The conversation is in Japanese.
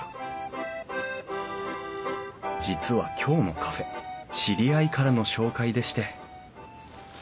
実は今日のカフェ知り合いからの紹介でして。